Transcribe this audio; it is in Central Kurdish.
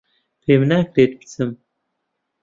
پێم ناکرێت بچم